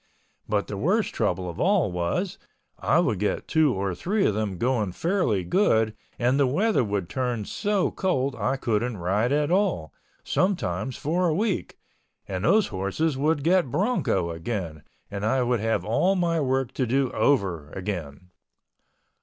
But the worst trouble of all was, I would get two or three of them going fairly good and the weather would turn so cold I couldn't ride at all, sometimes for a week and those horses would get bronco again and I would have all my work to do over again.